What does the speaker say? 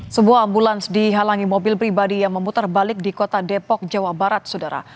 sebuah ambulans dihalangi mobil pribadi yang memutar balik di kota depok jawa barat sudara